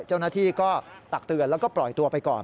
เจ้าหน้าที่ก็ตักเตือนแล้วก็ปล่อยตัวไปก่อน